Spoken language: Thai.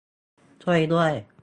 ช่วยด้วย !